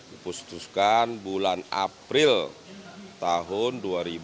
diputuskan bulan april tahun dua ribu sembilan belas